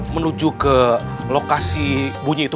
menuju ke lokasi bunyi itu